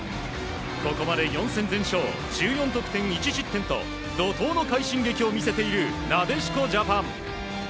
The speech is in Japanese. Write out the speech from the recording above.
ここまで４戦全勝１４得点１失点と怒涛の快進撃を見せているなでしこジャパン。